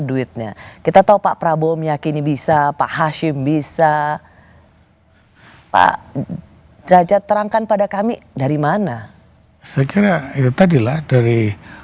saya kira itu tadilah dari